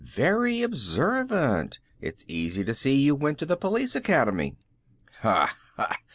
"Very observant; it's easy to see you went to the police academy." "Ha ha!